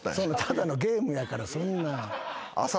ただのゲームやからそんな。